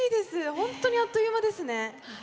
本当にあっという間ですね。